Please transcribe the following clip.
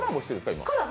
今。